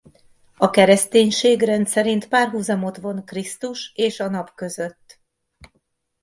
A kereszténység rendszerint párhuzamot von Krisztus és a Nap között.